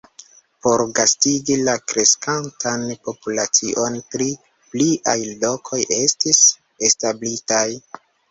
Por gastigi la kreskantan populacion tri pliaj lokoj estis establitaj.